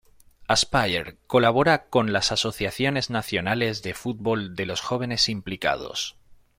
Aspire colabora con las asociaciones nacionales de fútbol de los jóvenes implicados.